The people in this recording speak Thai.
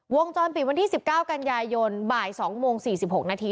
วงจรปิดวันที่๑๙กันยายนบ่าย๒โมง๔๖นาที